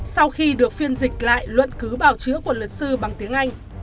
sau khi được phiên dịch lại luận cứ bảo chữa của luật sư bằng tiếng anh